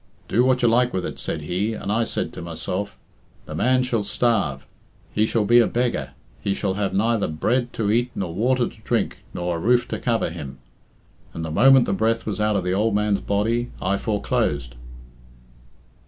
'Do what you like with it,' said he, and I said to myself, 'The man shall starve; he shall be a beggar; he shall have neither bread to eat, nor water to drink, nor a roof to cover him.' And the moment the breath was out of the ould man's body I foreclosed."